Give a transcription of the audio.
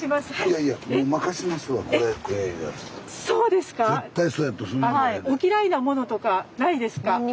そうですか？